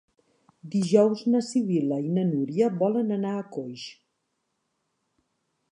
Dijous na Sibil·la i na Núria volen anar a Coix.